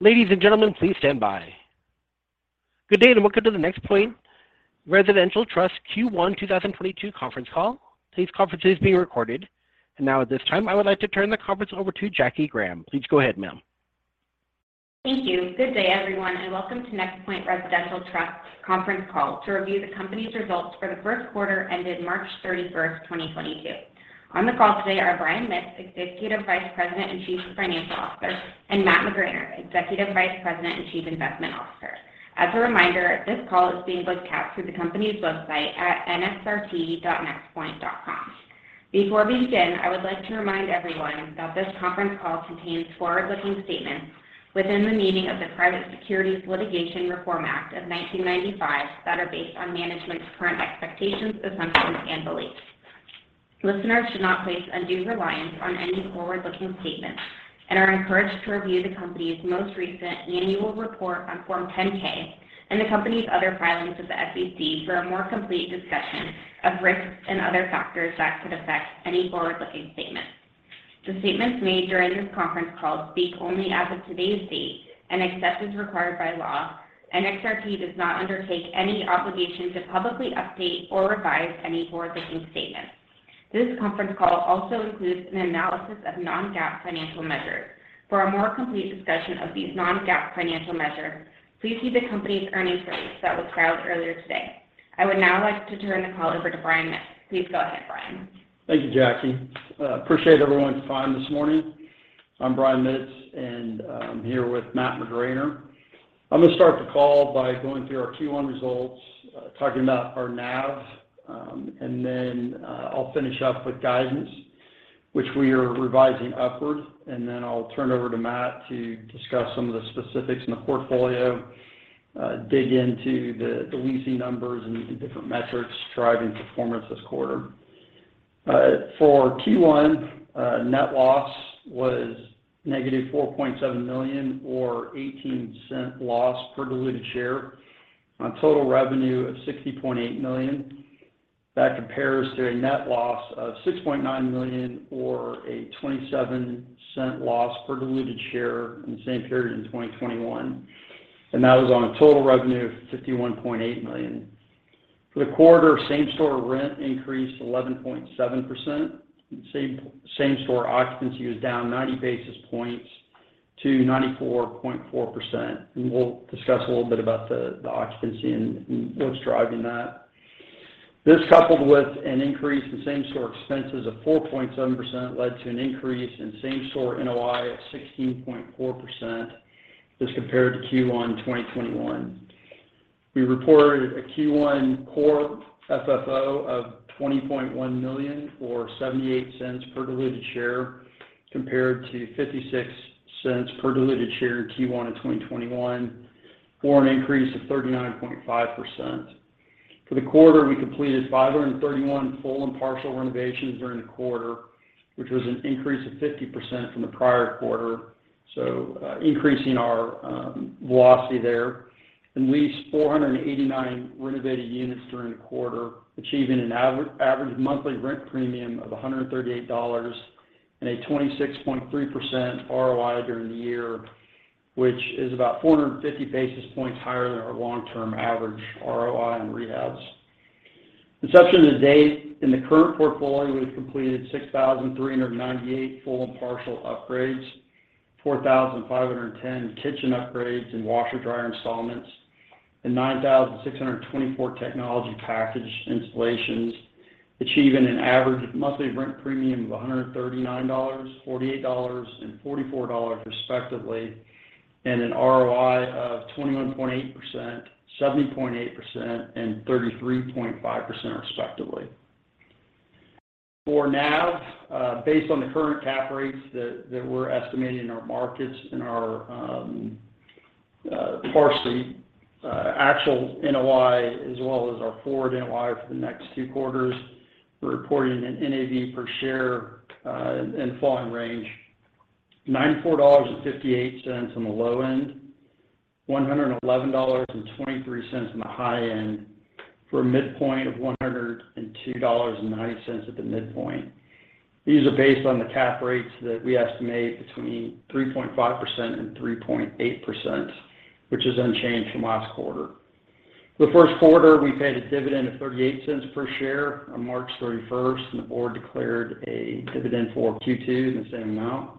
Ladies and gentlemen, please stand by. Good day, and welcome to the NexPoint Residential Trust Q1 2022 conference call. Today's conference is being recorded. Now at this time, I would like to turn the conference over to Jackie Graham. Please go ahead, ma'am. Thank you. Good day, everyone, and welcome to NexPoint Residential Trust conference call to review the company's results for the first quarter ended March 31, 2022. On the call today are Brian Mitts, Executive Vice President and Chief Financial Officer, and Matt McGraner, Executive Vice President and Chief Investment Officer. As a reminder, this call is being broadcast through the company's website at nxrt.nexpoint.com. Before we begin, I would like to remind everyone that this conference call contains forward-looking statements within the meaning of the Private Securities Litigation Reform Act of 1995 that are based on management's current expectations, assumptions, and beliefs. Listeners should not place undue reliance on any forward-looking statements and are encouraged to review the company's most recent Annual Report on Form 10-K and the company's other filings with the SEC for a more complete discussion of risks and other factors that could affect any forward-looking statements. The statements made during this conference call speak only as of today's date, and except as required by law, NXRT does not undertake any obligation to publicly update or revise any forward-looking statements. This conference call also includes an analysis of non-GAAP financial measures. For a more complete discussion of these non-GAAP financial measures, please see the company's earnings release that was filed earlier today. I would now like to turn the call over to Brian Mitts. Please go ahead, Brian. Thank you, Jackie. I appreciate everyone's time this morning. I'm Brian Mitts, and I'm here with Matt McGraner. I'm gonna start the call by going through our Q1 results, talking about our NAVs, and then I'll finish up with guidance, which we are revising upward. I'll turn it over to Matt to discuss some of the specifics in the portfolio, dig into the leasing numbers and different metrics driving performance this quarter. For Q1, net loss was negative $4.7 million or $0.18 loss per diluted share on total revenue of $60.8 million. That compares to a net loss of $6.9 million or a $0.27 loss per diluted share in the same period in 2021, and that was on a total revenue of $51.8 million. For the quarter, same-store rent increased 11.7%. Same-store occupancy was down 90 basis points to 94.4%. We'll discuss a little bit about the occupancy and what's driving that. This coupled with an increase in same-store expenses of 4.7% led to an increase in same-store NOI of 16.4% as compared to Q1 2021. We reported a Q1 core FFO of $20.1 million or $0.78 per diluted share compared to $0.56 per diluted share in Q1 of 2021, for an increase of 39.5%. For the quarter, we completed 531 full and partial renovations during the quarter, which was an increase of 50% from the prior quarter, increasing our velocity there. Leased 489 renovated units during the quarter, achieving an average monthly rent premium of $138 and a 26.3% ROI during the year, which is about 450 basis points higher than our long-term average ROI on rehabs. Since inception to date, in the current portfolio, we've completed 6,398 full and partial upgrades, 4,510 kitchen upgrades and washer/dryer installations, and 9,624 technology package installations, achieving an average monthly rent premium of $139, $48, and $44 respectively, and an ROI of 21.8%, 70.8%, and 33.5% respectively. For NAV, based on the current cap rates that we're estimating in our markets, our partially actual NOI as well as our forward NOI for the next two quarters, we're reporting an NAV per share in a full range, $94.58 on the low end, $111.23 on the high end for a midpoint of $102.90 at the midpoint. These are based on the cap rates that we estimate between 3.5% and 3.8%, which is unchanged from last quarter. For the first quarter, we paid a dividend of $0.38 per share on March 31, and the board declared a dividend for Q2 in the same amount.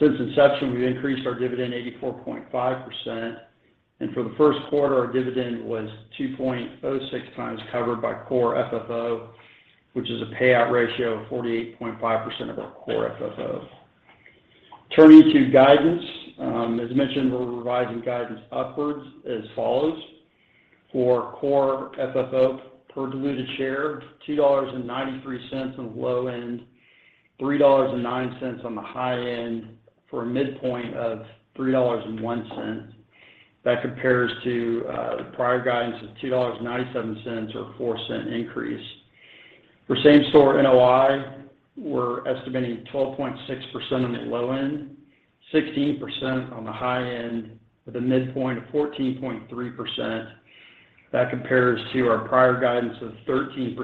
Since inception, we've increased our dividend 84.5%. For the first quarter, our dividend was 2.06 times covered by core FFO, which is a payout ratio of 48.5% of our core FFO. Turning to guidance, as mentioned, we're revising guidance upwards as follows. For core FFO per diluted share, $2.93 on the low end, $3.09 on the high end for a midpoint of $3.01. That compares to, the prior guidance of $2.97 or a four-cent increase. For same-store NOI, we're estimating 12.6% on the low end, 16% on the high end with a midpoint of 14.3%. That compares to our prior guidance of 13%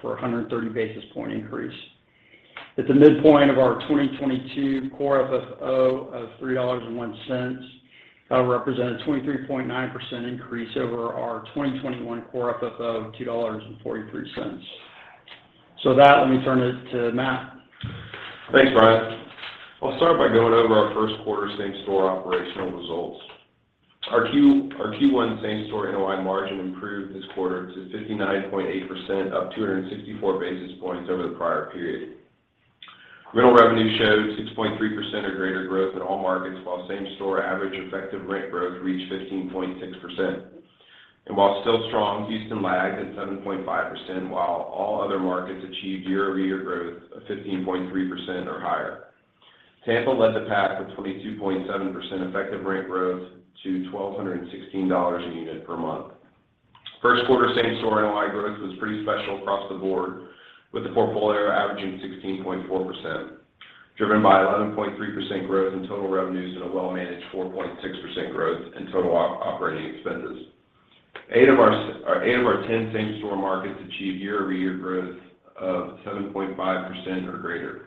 for a 130 basis point increase. At the midpoint of our 2022 core FFO of $3.01, represent a 23.9% increase over our 2021 core FFO of $2.43. With that, let me turn it to Matt. Thanks, Brian. I'll start by going over our first quarter same-store operational results. Our Q1 same-store NOI margin improved this quarter to 59.8%, up 264 basis points over the prior period. Rental revenue showed 6.3% or greater growth in all markets, while same-store average effective rent growth reached 15.6%. While still strong, Houston lagged at 7.5%, while all other markets achieved year-over-year growth of 15.3% or higher. Tampa led the pack with 22.7% effective rent growth to $1,216 a unit per month. First quarter same-store NOI growth was pretty special across the board, with the portfolio averaging 16.4%, driven by 11.3% growth in total revenues and a well-managed 4.6% growth in total operating expenses. Eight of our 10 same-store markets achieved year-over-year growth of 7.5% or greater.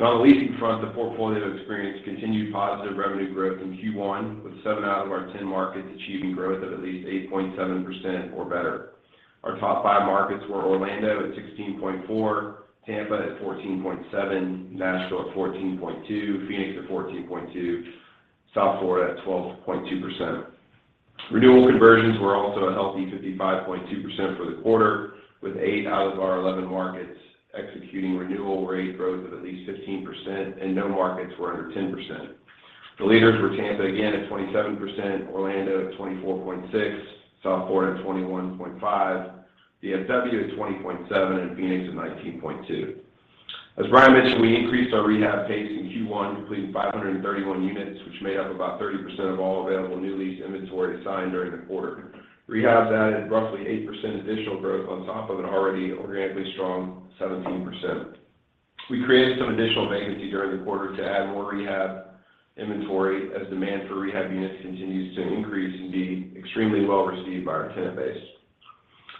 On the leasing front, the portfolio experienced continued positive revenue growth in Q1, with seven out of our 10 markets achieving growth of at least 8.7% or better. Our top five markets were Orlando at 16.4, Tampa at 14.7, Nashville at 14.2, Phoenix at 14.2, South Florida at 12.2%. Renewal conversions were also a healthy 55.2% for the quarter, with eight out of our 11 markets executing renewal rate growth of at least 15%, and no markets were under 10%. The leaders were Tampa again at 27%, Orlando at 24.6%, South Florida at 21.5%, DFW at 20.7%, and Phoenix at 19.2%. As Brian mentioned, we increased our rehab pace in Q1, completing 531 units, which made up about 30% of all available new lease inventory signed during the quarter. Rehabs added roughly 8% additional growth on top of an already organically strong 17%. We created some additional vacancy during the quarter to add more rehab inventory as demand for rehab units continues to increase and be extremely well-received by our tenant base.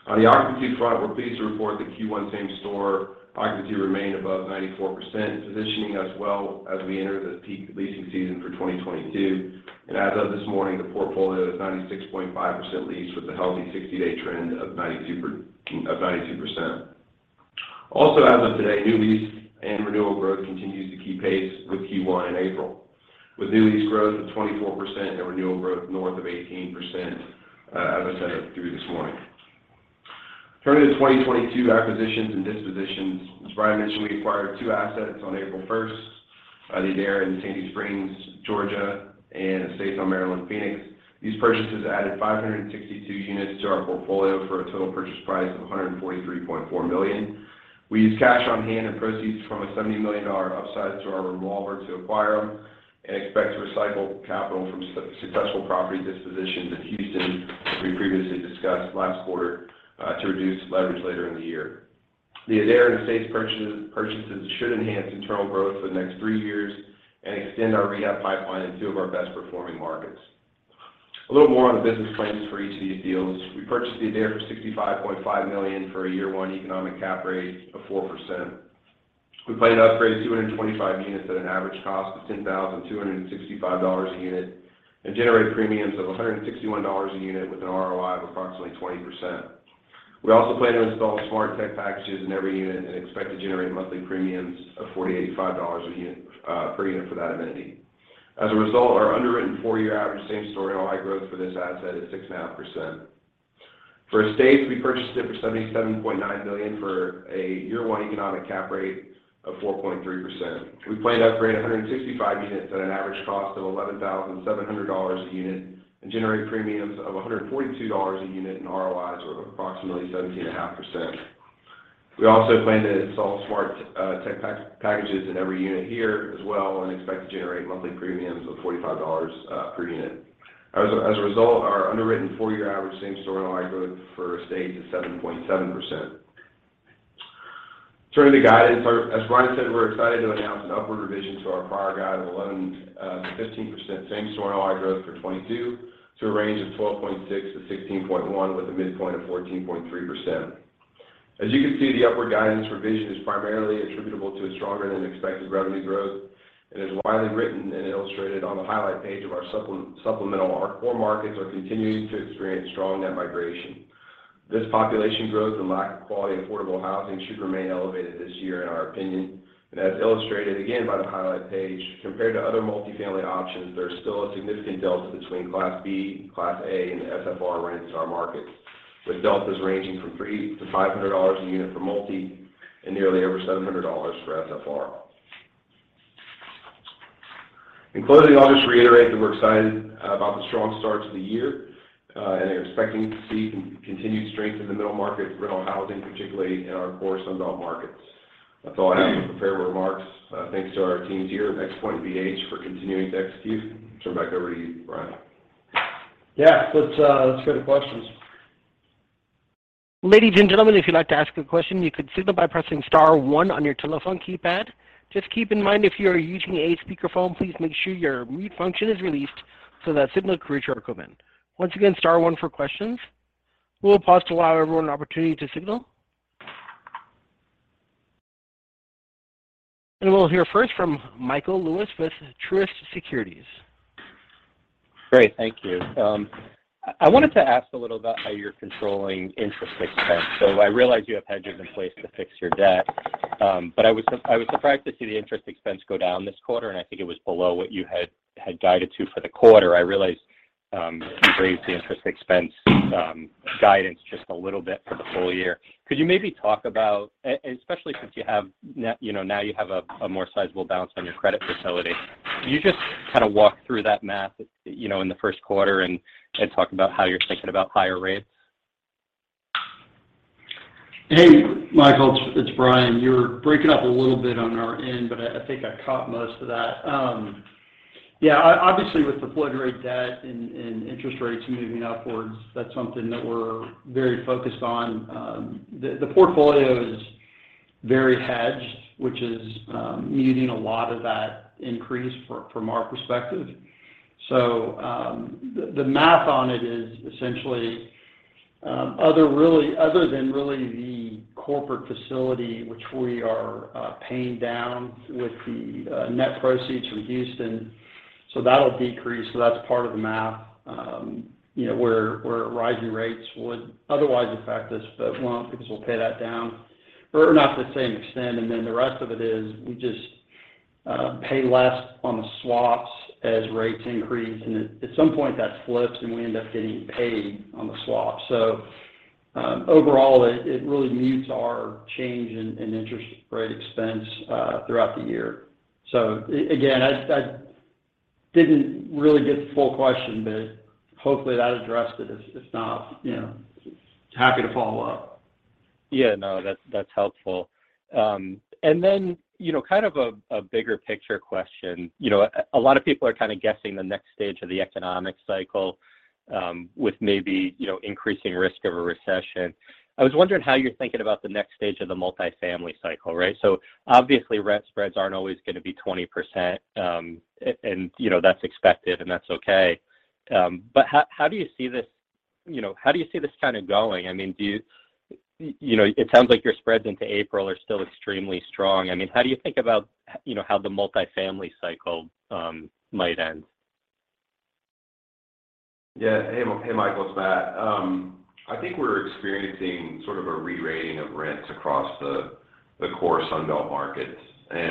On the occupancy front, we're pleased to report that Q1 same store occupancy remained above 94%, positioning us well as we enter the peak leasing season for 2022. As of this morning, the portfolio is 96.5% leased with a healthy 60-day trend of 92%. Also as of today, new lease and renewal growth continues to keep pace with Q1 and April, with new lease growth of 24% and renewal growth north of 18%, as I said, through this morning. Turning to the 2022 acquisitions and dispositions. As Brian mentioned, we acquired two assets on April 1, The Adair in Sandy Springs, Georgia, and Estates on Maryland in Phoenix. These purchases added 562 units to our portfolio for a total purchase price of $143.4 million. We used cash on hand and proceeds from a $70 million upside to our revolver to acquire them and expect to recycle capital from successful property dispositions in Houston, as we previously discussed last quarter, to reduce leverage later in the year. The Adair and Estates purchases should enhance internal growth for the next three years and extend our rehab pipeline in two of our best-performing markets. A little more on the business plans for each of these deals. We purchased the Adair for $65.5 million for a year one economic cap rate of 4%. We plan to upgrade 225 units at an average cost of $10,265 a unit and generate premiums of $161 a unit with an ROI of approximately 20%. We also plan to install smart tech packages in every unit and expect to generate monthly premiums of $40-$85 a unit per unit for that amenity. As a result, our underwritten four-year average same-store NOI growth for this asset is 6.5%. For Estates, we purchased it for $77.9 million for a year one economic cap rate of 4.3%. We plan to upgrade 165 units at an average cost of $11,700 a unit and generate premiums of $142 a unit and ROIs of approximately 17.5%. We also plan to install smart tech packages in every unit here as well and expect to generate monthly premiums of $45 per unit. As a result, our underwritten four-year average same-store NOI growth for Estates is 7.7%. Turning to guidance, as Brian said, we're excited to announce an upward revision to our prior guide of 11%-15% same-store NOI growth for 2022 to a range of 12.6%-16.1% with a midpoint of 14.3%. As you can see, the upward guidance revision is primarily attributable to a stronger than expected revenue growth and is widely written and illustrated on the highlight page of our supplemental. Our core markets are continuing to experience strong net migration. This population growth and lack of quality affordable housing should remain elevated this year in our opinion. As illustrated again by the highlight page, compared to other multifamily options, there's still a significant delta between Class B, Class A, and SFR rents in our markets, with deltas ranging from $300-$500 a unit for multi and nearly over $700 for SFR. In closing, I'll just reiterate that we're excited about the strong start to the year, and are expecting to see continued strength in the middle market rental housing, particularly in our core Sun Belt markets. That's all I have for prepared remarks. Thanks to our teams here at NexPoint and BH for continuing to execute. Turn it back over to you, Brian. Yeah. Let's go to questions. Ladies and gentlemen, if you'd like to ask a question, you could signal by pressing star one on your telephone keypad. Just keep in mind if you are using a speakerphone, please make sure your mute function is released so that signal can reach our equipment. Once again, star one for questions. We'll pause to allow everyone an opportunity to signal. We'll hear first from Michael Lewis with Truist Securities. Great. Thank you. I wanted to ask a little about how you're controlling interest expense. I realize you have hedges in place to fix your debt, but I was surprised to see the interest expense go down this quarter, and I think it was below what you had guided to for the quarter. I realize you raised the interest expense guidance just a little bit for the full year. Could you maybe talk about, especially since you now have a more sizable balance on your credit facility? Can you just kind of walk through that math, you know, in the first quarter and talk about how you're thinking about higher rates? Hey, Michael, it's Brian. You're breaking up a little bit on our end, but I think I caught most of that. Yeah. Obviously, with the floating rate debt and interest rates moving upwards, that's something that we're very focused on. The portfolio is very hedged, which is muting a lot of that increase from our perspective. The math on it is essentially other than really the corporate facility, which we are paying down with the net proceeds from Houston. That'll decrease. That's part of the math, you know, where rising rates would otherwise affect us, but it won't because we'll pay that down or not to the same extent. Then the rest of it is we just pay less on the swaps as rates increase, and at some point that flips, and we end up getting paid on the swaps. Overall, it really mutes our change in interest rate expense throughout the year. Again, I just didn't really get the full question, but hopefully that addressed it. If not, you know, happy to follow up. Yeah. No, that's helpful. And then, you know, kind of a bigger picture question. You know, a lot of people are kind of guessing the next stage of the economic cycle, with maybe, you know, increasing risk of a recession. I was wondering how you're thinking about the next stage of the multifamily cycle, right? Obviously, rent spreads aren't always gonna be 20%, and, you know, that's expected and that's okay. But how do you see this. You know, how do you see this kind of going? I mean, do you. You know, it sounds like your spreads into April are still extremely strong. I mean, how do you think about how the multifamily cycle might end? Yeah. Hey, Michael, it's Matt. I think we're experiencing sort of a rerating of rents across the core Sun Belt markets.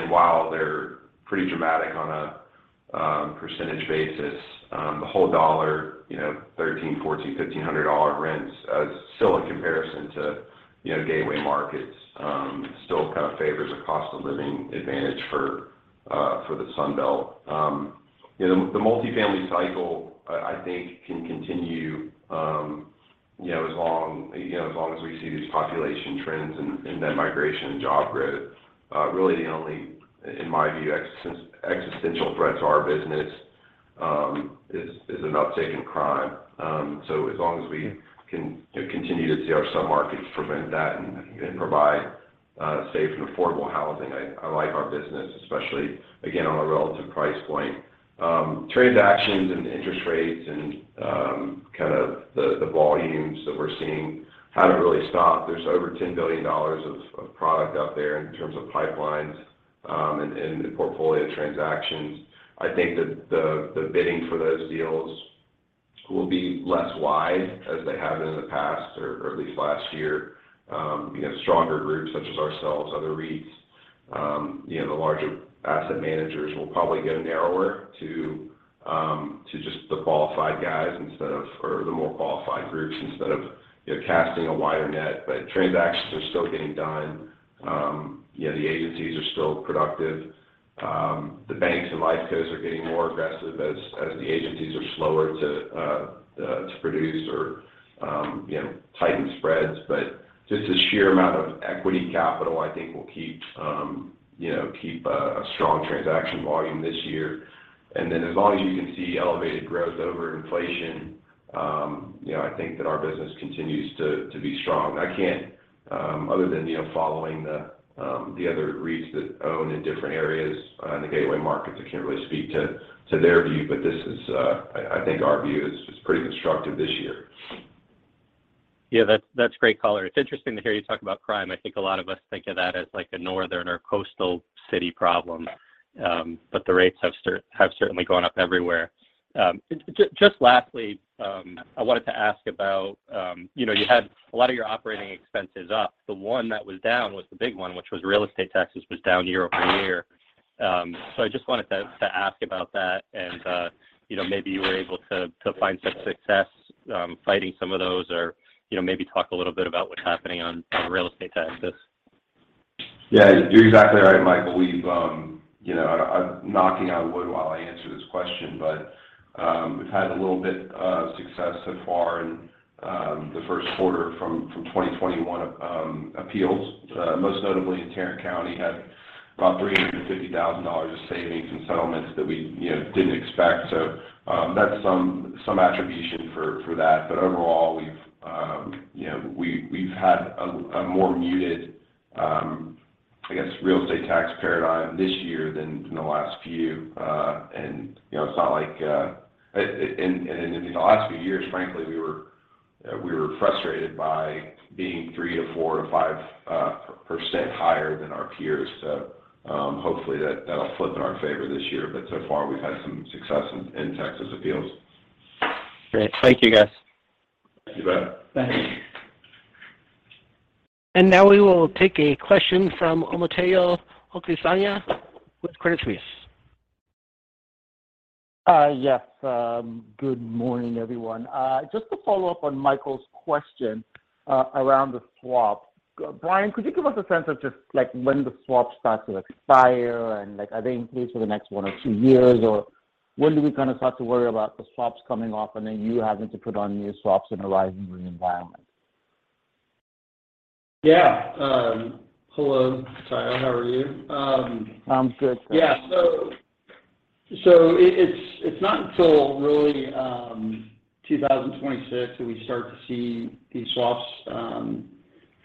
While they're pretty dramatic on a percentage basis, the whole dollar, you know, $1,300-$1,500 rents is still in comparison to, you know, gateway markets, still kind of favors a cost of living advantage for the Sun Belt. You know, the multifamily cycle, I think can continue, you know, as long as we see these population trends in net migration and job growth. Really, the only, in my view, existential threat to our business is an uptake in crime. As long as we can, you know, continue to see our submarkets prevent that and provide safe and affordable housing, I like our business, especially again, on a relative price point. Transactions and interest rates and kind of the volumes that we're seeing haven't really stopped. There's over $10 billion of product out there in terms of pipelines and portfolio transactions. I think that the bidding for those deals will be less wide as they have been in the past or at least last year. You know, stronger groups such as ourselves, other REITs, you know, the larger asset managers will probably get narrower to just the qualified guys or the more qualified groups instead of, you know, casting a wider net. Transactions are still getting done. You know, the agencies are still productive. The banks and life cos are getting more aggressive as the agencies are slower to produce or, you know, tighten spreads. But just the sheer amount of equity capital, I think, will keep a strong transaction volume this year. Then as long as you can see elevated growth over inflation, you know, I think that our business continues to be strong. I can't other than, you know, following the other REITs that own in different areas in the gateway markets, I can't really speak to their view, but this is, I think our view is pretty constructive this year. Yeah, that's great color. It's interesting to hear you talk about crime. I think a lot of us think of that as like a northern or coastal city problem, but the rates have certainly gone up everywhere. Just lastly, I wanted to ask about, you know, you had a lot of your operating expenses up. The one that was down was the big one, which was real estate taxes, was down year over year. I just wanted to ask about that and, you know, maybe you were able to find some success fighting some of those or, you know, maybe talk a little bit about what's happening on real estate taxes. Yeah. You're exactly right, Michael. We've you know, I'm knocking on wood while I answer this question, but we've had a little bit of success so far in the first quarter from 2021 appeals. Most notably in Tarrant County, we had about $350,000 of savings and settlements that we you know didn't expect. That's some attribution for that. Overall, we've you know had a more muted I guess real estate tax paradigm this year than in the last few. You know, it's not like in the last few years, frankly, we were frustrated by being 3%-5% higher than our peers. Hopefully that'll flip in our favor this year. So far, we've had some success in Texas appeals. Great. Thank you, guys. You bet. Thanks. Now we will take a question from Omotayo Okusanya with Credit Suisse. Yes. Good morning, everyone?. Just to follow up on Michael's question around the swaps. Brian, could you give us a sense of just like when the swaps start to expire, and like are they in place for the next one or two years? Or when do we kind of start to worry about the swaps coming off and then you having to put on new swaps in a rising rate environment? Yeah. Hello, Tayo. How are you? I'm good. Yeah. It's not until really 2026 that we start to see these swaps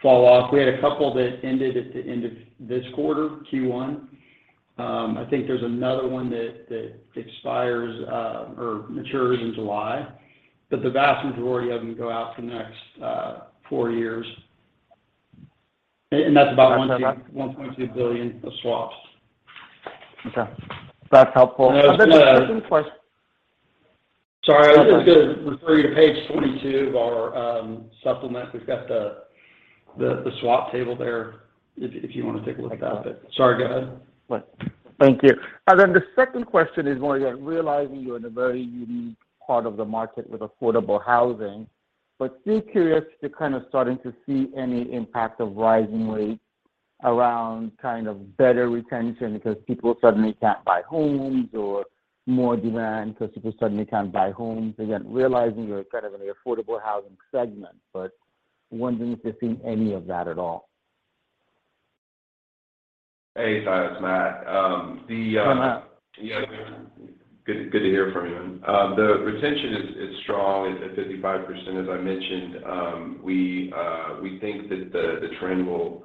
fall off. We had a couple that ended at the end of this quarter, Q1. I think there's another one that expires or matures in July. The vast majority of them go out for the next four years. That's about one point- Gotcha $1.2 billion of swaps. Okay. That's helpful. And then the second quest- Sorry, I was just gonna refer you to page 22 of our supplement. We've got the swap table there if you want to take a look at it. Okay. Sorry, go ahead. Thank you. Then the second question is more realizing you're in a very unique part of the market with affordable housing, but still curious if you're kind of starting to see any impact of rising rates around kind of better retention because people suddenly can't buy homes or more demand because people suddenly can't buy homes. Again, realizing you're kind of in the affordable housing segment, but wondering if you're seeing any of that at all? Hey, Tayo, it's Matt. Hi, Matt. Yeah. Good to hear from you, man. The retention is strong. It's at 55% as I mentioned. We think that the trend will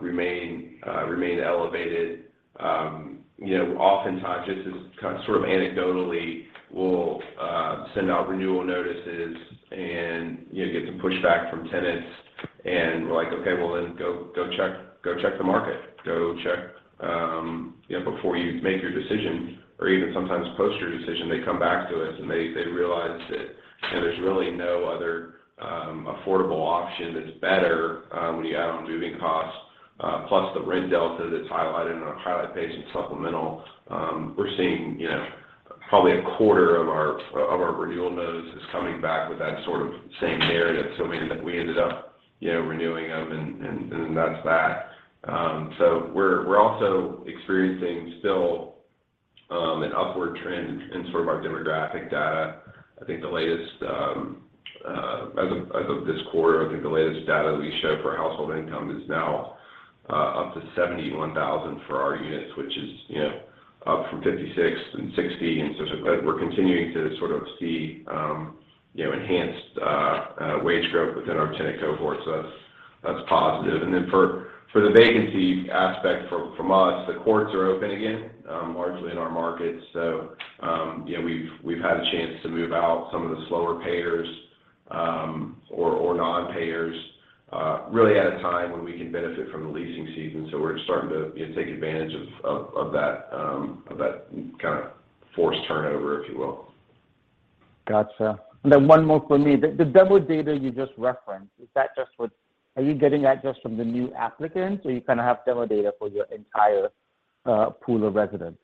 remain elevated. You know, oftentimes, this is kind of sort of anecdotally, we'll send out renewal notices and, you know, get some pushback from tenants and we're like, "Okay. Well, then go check the market. Go check, you know, before you make your decision." Or even sometimes after your decision, they come back to us and they realize that, you know, there's really no other affordable option that's better when you add on moving costs plus the rent delta that's highlighted on our highlight page and supplemental. We're seeing, you know, probably a quarter of our renewal notices coming back with that sort of same narrative. We ended up, you know, renewing them and that's that. We're also experiencing still an upward trend in sort of our demographic data. I think the latest data we show for household income is now up to $71,000 for our units, which is, you know, up from $56,000 and $60,000. We're continuing to sort of see enhanced wage growth within our tenant cohort. That's positive. For the vacancy aspect from us, the courts are open again largely in our markets. You know, we've had a chance to move out some of the slower payers, or non-payers, really at a time when we can benefit from the leasing season. We're starting to, you know, take advantage of that kind of forced turnover, if you will. Gotcha. One more for me. The demo data you just referenced, are you getting that just from the new applicants, or you kind of have demo data for your entire pool of residents?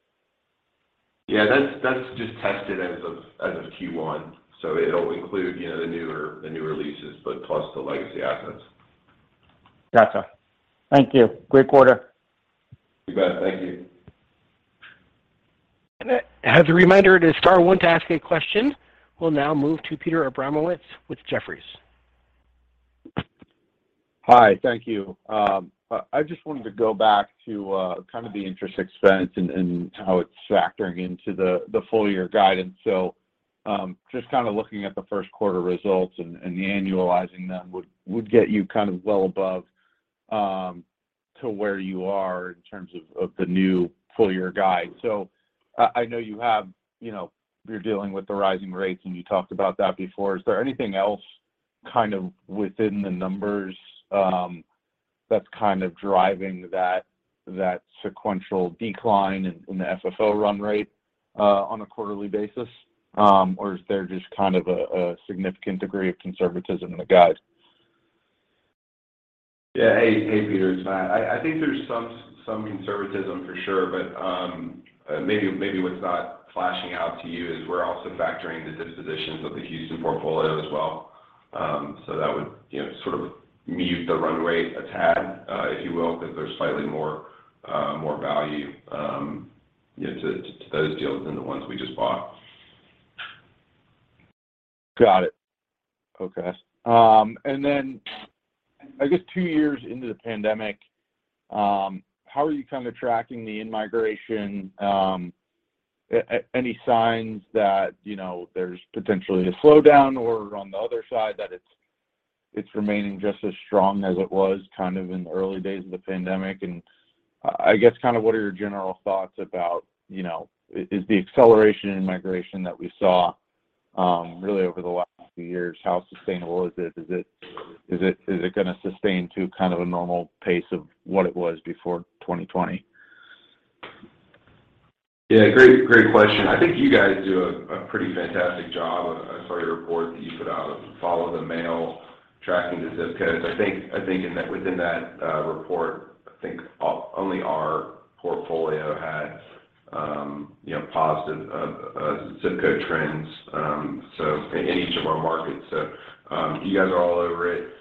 Yeah. That's just tested as of Q1. It'll include, you know, the newer leases, but plus the legacy assets. Gotcha. Thank you. Great quarter. You bet. Thank you. As a reminder, it is star one to ask a question. We'll now move to Peter Abramowitz with Jefferies. Hi. Thank you. I just wanted to go back to kind of the interest expense and how it's factoring into the full year guidance. Just kind of looking at the first quarter results and annualizing them would get you kind of well above to where you are in terms of the new full year guide. I know you have, you know, you're dealing with the rising rates, and you talked about that before. Is there anything else kind of within the numbers that's kind of driving that sequential decline in the FFO run rate on a quarterly basis? Or is there just kind of a significant degree of conservatism in the guide? Yeah. Hey, Peter?, it's Matt. I think there's some conservatism for sure, but maybe what's not flashing out to you is we're also factoring the dispositions of the Houston portfolio as well. That would, you know, sort of mute the run rate a tad, if you will, because there's slightly more value, you know, to those deals than the ones we just bought. Got it. Okay. I guess two years into the pandemic, how are you kind of tracking the in-migration, any signs that, you know, there's potentially a slowdown or on the other side, that it's remaining just as strong as it was kind of in the early days of the pandemic? I guess kind of what are your general thoughts about, you know, is the acceleration in migration that we saw really over the last few years, how sustainable is it? Is it gonna sustain to kind of a normal pace of what it was before 2020? Yeah. Great question. I think you guys do a pretty fantastic job. I saw your report that you put out following mail tracking to zip codes. I think in that report, I think only our portfolio had, you know, positive zip code trends, so in each of our markets. You guys are all over it.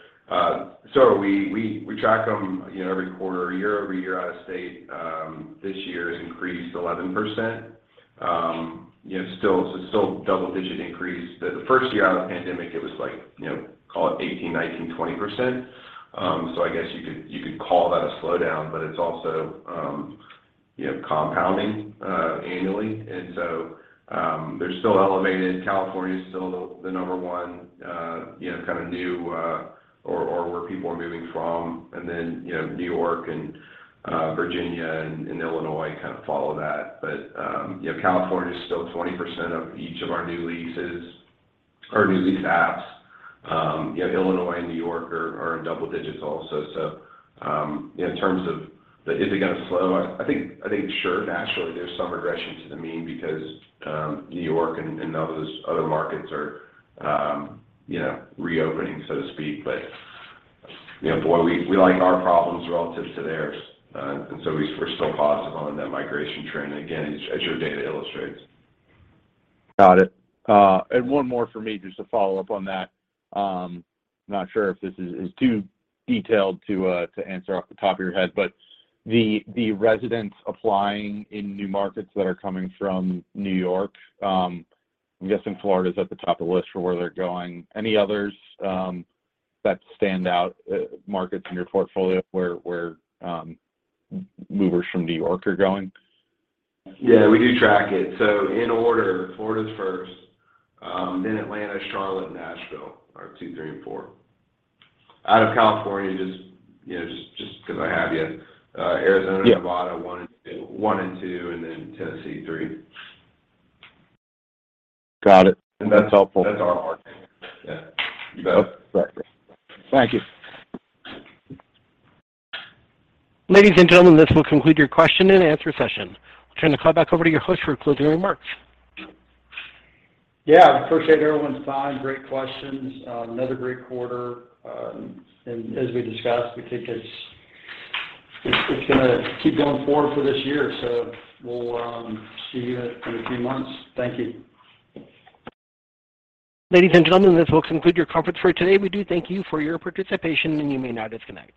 We track them, you know, every quarter, year-over-year out-of-state. This year it increased 11%. You know, still double-digit increase. The first year out of the pandemic, it was like, you know, call it 18%, 19%, 20%. I guess you could call that a slowdown, but it's also, you know, compounding annually. They're still elevated. California's still the number one place where people are moving from. Then New York and Virginia and Illinois kind of follow that. California is still 20% of each of our new leases or new lease apps. Illinois and New York are in double digits also. In terms of, is it gonna slow? I think sure, naturally, there's some regression to the mean because New York and those other markets are reopening, so to speak. Boy, we like our problems relative to theirs. We're still positive on that migration trend again, as your data illustrates. Got it. One more for me, just to follow up on that. Not sure if this is too detailed to answer off the top of your head, but the residents applying in new markets that are coming from New York?, I'm guessing Florida's at the top of the list for where they're going. Any others that stand out, markets in your portfolio where movers from New York are going? Yeah, we do track it. In order, Florida's first, then Atlanta, Charlotte, and Nashville are two, three, and four. Out of California, just 'cause I have you. Arizona- Yeah. Nevada, 1 and 2, and then Tennessee, 3. Got it. That's helpful. That's our market. Yeah. You got it? Correct. Thank you. Ladies and gentlemen, this will conclude your question and answer session. I'll turn the call back over to your host for concluding remarks. Yeah, I appreciate everyone's time. Great questions. Another great quarter. As we discussed, we think it's gonna keep going forward for this year. We'll see you in a few months. Thank you. Ladies and gentlemen, this will conclude your conference for today. We do thank you for your participation, and you may now disconnect.